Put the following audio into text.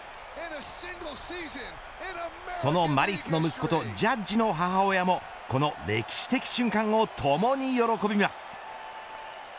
そのマリスの息子とジャッジの母親もこの歴史的瞬間をともに喜びます。